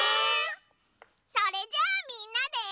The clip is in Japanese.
それじゃあみんなで。